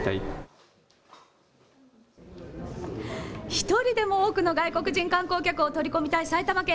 １人でも多くの外国人観光客を取り込みたい埼玉県。